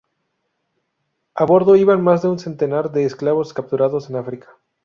A bordo iban más de un centenar de esclavos capturados en África.